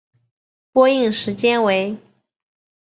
播映时间为。